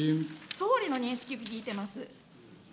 総理の認識を聞いてます。